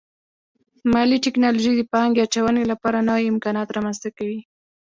مالي ټکنالوژي د پانګې اچونې لپاره نوي امکانات رامنځته کوي.